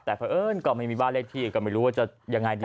แต่แปลก็ไม่มีบ้านเลขที่อื่นก็ไม่รู้ว่าจะยังไงดี